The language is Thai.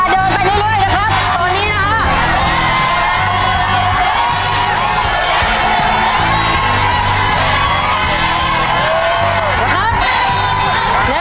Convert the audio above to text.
ต้องเล็งมือหน่อยแล้วครับอ่าไป